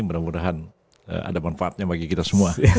mudah mudahan ada manfaatnya bagi kita semua